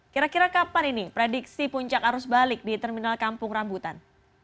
kira kira kapan ini prediksi puncak arus balik di terminal kampung rambutan